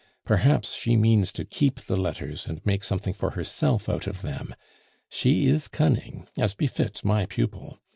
Perhaps she means to keep the letters and make something for herself out of them. She is cunning, as befits my pupil.